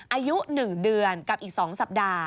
อายุหนึ่งเดือนกับอีกสองสัปดาห์